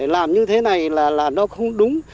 làm như thế này là nó không đúng